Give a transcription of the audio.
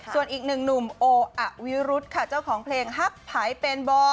ส่วนอีกหนึ่งหนุ่มโออวิรุธค่ะเจ้าของเพลงฮักไผ่เป็นบอล